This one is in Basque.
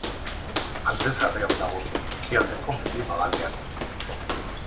Alde Zaharrean dago, ekialdeko mendi magalean.